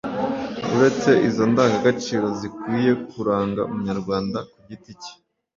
uretse izo ndangagaciro zikwiye kuranga umunyarwanda ku giti ke